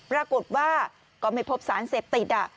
ปรากฏว่าก็ไม่พบสารเสพติด